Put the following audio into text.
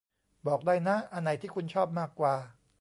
บอกได้นะ อันไหนที่คุณชอบมากกว่า